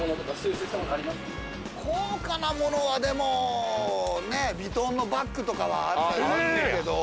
高価な物はでもヴィトンのバッグとかはあったりするけど。